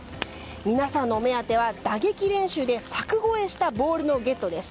皆さんのお目当ては打撃練習で柵越えしたボールのゲットです。